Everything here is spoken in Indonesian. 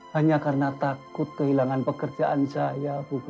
hanya karena takut kehilangan pekerjaan saya bu guru